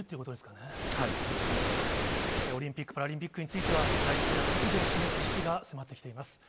オリンピック・パラリンピックについては、具体的な覚悟を示す時期が迫ってきています。